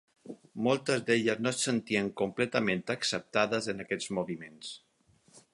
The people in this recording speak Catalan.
Moltes d'elles no se sentien completament acceptades en aquests moviments.